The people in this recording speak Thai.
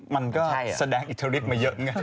มันก็แสดงอิทริกมาเยอะไง